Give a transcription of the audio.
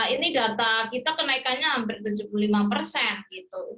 ini data kita kenaikannya hampir tujuh puluh lima persen gitu